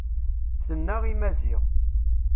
Tenna i Maziɣ.